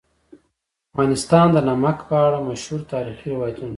افغانستان د نمک په اړه مشهور تاریخی روایتونه لري.